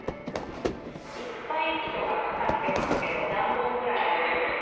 いっぱい糸がかかってますけど、何本ぐらいあるんですか？